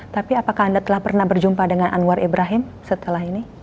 tapi apakah anda telah pernah berjumpa dengan anwar ibrahim setelah ini